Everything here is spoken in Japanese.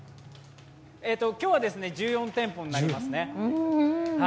今日は１４店舗になりますね。